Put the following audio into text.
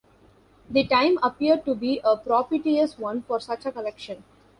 The time appeared to be a propitious one for such a collection.